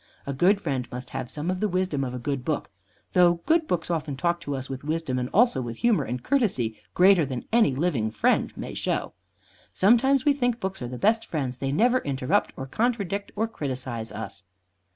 A good friend must have some of the wisdom of a good book, though good books often talk to us with wisdom and also with humor and courtesy greater than any living friend may show. "Sometimes we think books are the best friends; they never interrupt or contradict or criticise us."